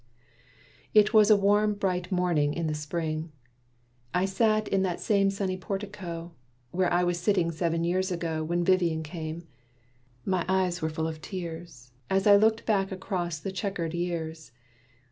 It was a warm bright morning in the Spring. I sat in that same sunny portico, Where I was sitting seven years ago When Vivian came. My eyes were full of tears, As I looked back across the checkered years.